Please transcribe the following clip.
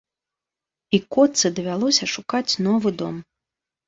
І котцы давялося шукаць новы дом.